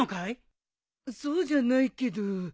そうじゃないけど。